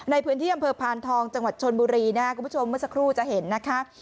ในพื้นที่อำเภอพานทองจังหวัดชนบุรีนะครับคุณผู้ชมเมื่อสักครู่จะเห็นนะคะ